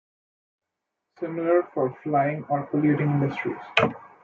Similar for flying, or polluting industries.